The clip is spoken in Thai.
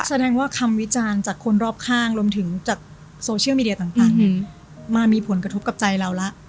แสดงว่าคำวิจารณ์จากคนรอบข้างรวมถึงจากโซเชียลมีเดียต่างมามีผลกระทบกับใจเราแล้ว